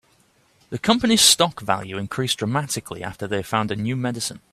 The company's stock value increased dramatically after they found a new medicine.